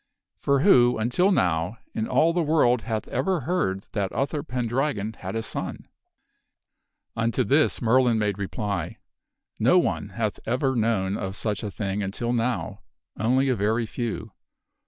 For who, until now, in all the world hath ever heard that Uther Pendragon had a son ?" Unto this Merlin made reply :" No one hath ever known of such a thing until now, only a very few.